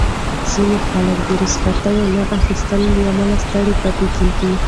ځینې خلک د رخصتۍ نه اخیستو له امله ستړي پاتې کېږي.